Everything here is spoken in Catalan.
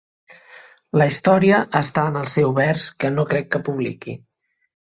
La història està en el seu vers que no crec que publiqui.